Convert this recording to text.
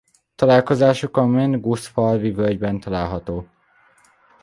Találkozásuk a Menguszfalvi-völgyben található.